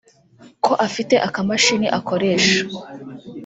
ko afite akamashini akoresha